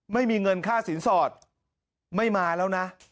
ไม่มีเงินค่าสินสอดไม่มาแล้วนะ